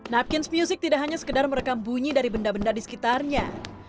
napkins music tidak hanya sekedar merekam bunyi dari benda benda di sekitarnya